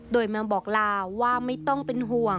โดยมาบอกลาว่าไม่ต้องเป็นห่วง